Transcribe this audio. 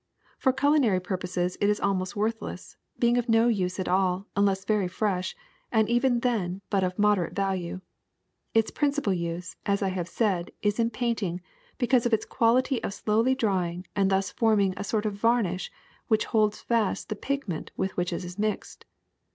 For culinary pur poses it is almost worthless, being of no use at all unless very fresh, and even then of but moderate value. Its principal use, as I said, is in painting, because of its quality of slowly drjdng and thus forming a sort of varnish which holds fast the pig ment with which it is mixed.